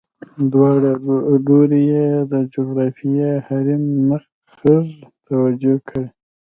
دواړه لوري یې د جغرافیوي حریم نقض توجیه کړي.